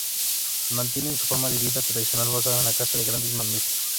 Mantienen su forma de vida tradicional basada en la caza de grandes mamíferos.